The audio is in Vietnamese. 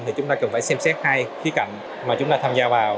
thì chúng ta cần phải xem xét hai khía cạnh mà chúng ta tham gia vào